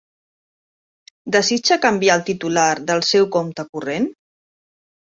Desitja canviar el titular del seu compte corrent?